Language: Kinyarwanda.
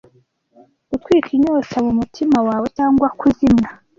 gutwika inyota mumutima wawe cyangwa kuzimya